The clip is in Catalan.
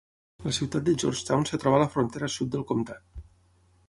La ciutat de Georgetown es troba a la frontera sud del comtat.